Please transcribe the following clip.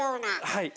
はい。